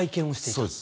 そうです。